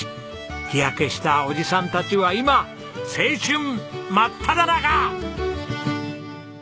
日焼けしたおじさんたちは今青春真っただ中！